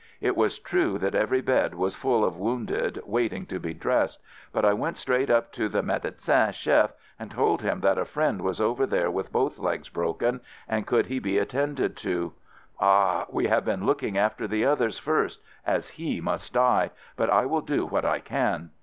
It was true that every bed was full of wounded waiting to be dressed, but I went straight FIELD SERVICE 59 up to the medecin chef and told him that a friend was over there with both legs broken and could he be attended to? "Ah, we have been looking after the others first, as he must die, but I will do what I can."